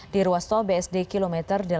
di ruas tol bsd km delapan